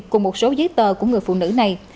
cùng một số giấy tờ của người phụ nữ này